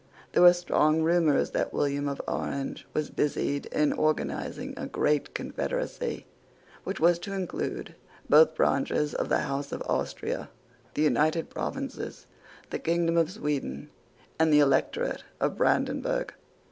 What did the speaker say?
There were strong rumours that William of Orange was busied in organizing a great confederacy, which was to include both branches of the House of Austria, the United Provinces, the kingdom of Sweden, and the electorate of Brandenburg.